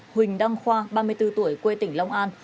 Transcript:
huỳnh đăng khoa ba mươi bốn tuổi quê tỉnh long an